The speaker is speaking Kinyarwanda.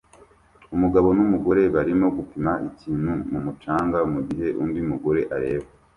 Umugabo numugore barimo gupima ikintu mumucanga mugihe undi mugore areba